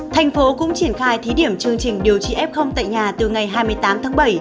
thành phố cũng triển khai thí điểm chương trình điều trị f tại nhà từ ngày hai mươi tám tháng bảy